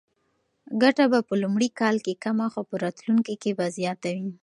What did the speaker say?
ګټه به په لومړي کال کې کمه خو په راتلونکي کې به زیاته وي.